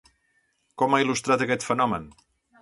Com ha il·lustrat aquest fenomen?